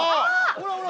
ほらほら！